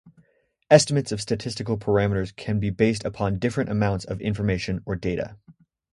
Estimates of statistical parameters can be based upon different amounts of information or data.